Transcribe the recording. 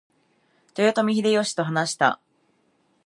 豊臣秀吉と話した。